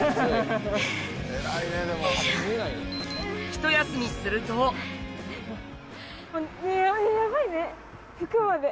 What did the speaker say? ひと休みすると服まで。